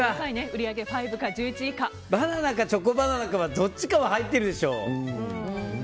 バナナかチョコバナナかどっちかは入っているでしょう。